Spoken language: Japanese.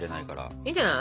いいんじゃない。